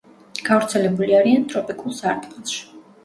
გავრცელებული არიან ტროპიკულ სარტყელში.